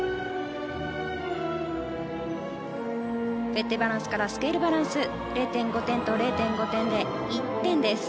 フェッテバランスからスケールバランス０．５点と０．５点で１点です。